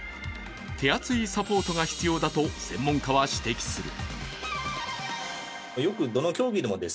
手厚いサポートが必要だと専門家は指摘する。